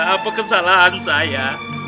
apa kesalahan saya